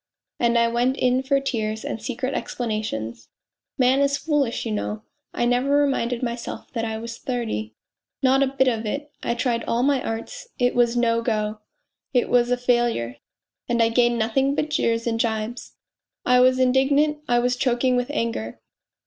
And I went in for tears and secret explanations. Man is foolish, you know. ... I never reminded myself that I was thirty ... not a bit of it ! I tried all my arts. It was no go. It was a failure, and I gained nothing but jeers and gibes. I was indig nant, I was choking with anger.